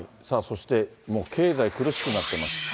さあそして、もう経済、苦しくなっています。